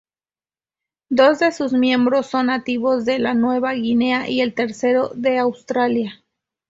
Dos de sus miembros son nativos de Nueva Guinea y el tercero de Australia.